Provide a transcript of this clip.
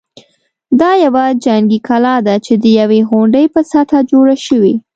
دا یوه جنګي کلا ده چې د یوې غونډۍ په سطحه جوړه شوې.